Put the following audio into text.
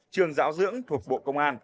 trường giáo dưỡng thuộc bộ công an